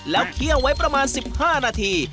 แล้วเคี่ยวไว้ประมาณ๑๕นาที